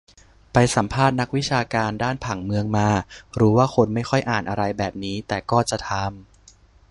ไปสัมภาษณ์นักวิชาการด้านผังเมืองมา รู้ว่าคนไม่ค่อยอ่านอะไรแบบนี้ แต่ก็จะทำ